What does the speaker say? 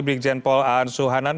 brikjen paul aan suhanan